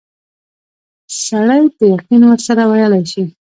سړی په یقین سره ویلای شي.